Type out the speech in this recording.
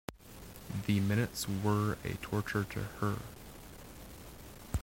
The minutes were a torture to her.